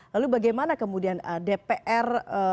lalu bagaimana kemudian dpr